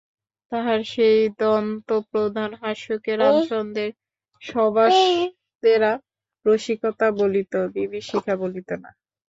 তাহার সেই দন্তপ্রধান হাস্যকে রামচন্দ্রের সভাসদেরা রসিকতা বলিত, বিভীষিকা বলিত না!